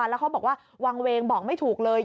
แล้วเขาบอกว่าวางเวงบอกไม่ถูกเลย